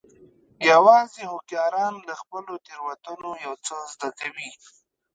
یوازې هوښیاران له خپلو تېروتنو یو څه زده کوي.